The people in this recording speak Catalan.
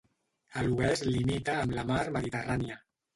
A l'oest limita amb la mar Mediterrània.